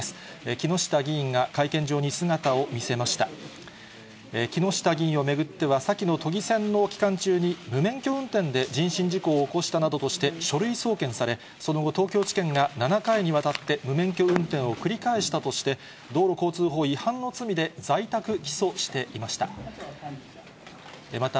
木下議員を巡っては、先の都議選の期間中に、無免許運転で人身事故を起こしたなどとして書類送検され、その後、東京地検が７回にわたって無免許運転を繰り返したとして、道路交通法違反の罪で在宅起訴していました。